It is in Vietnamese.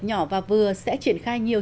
nhỏ và vừa sẽ triển khai nhiều